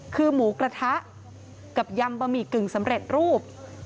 คือหมูกระทะกับยำบะหมี่กึ่งสำเร็จรูป